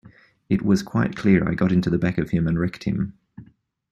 It was quite clear I got into the back of him and wrecked him.